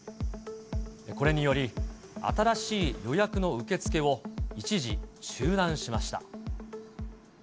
これにより、新しい予約の受け付けを一時中断しました。